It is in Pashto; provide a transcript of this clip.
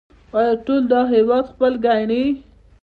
آیا ټول دا هیواد خپل ګڼي؟